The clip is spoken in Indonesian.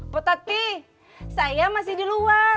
tetapi saya masih di luar